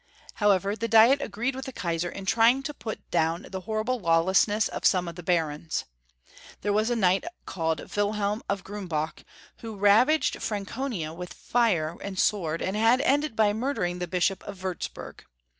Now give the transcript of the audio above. However, the Diet agreed with the Kaisar in trpng to put down the horrible laAvlessness of some of the barons. There was a knight called Wilhelm of Grumbach who had ravaged Franconia with fire and sword, and had ended by murdering the Bishop of Wurtzburg.